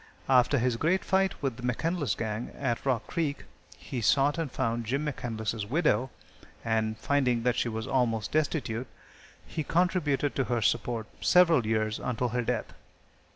After his great fight with the McCandlas gang, at Rock Creek, he sought and found Jim McCandlas' widow, and, finding that she was almost destitute, he contributed to her support several years and until her death.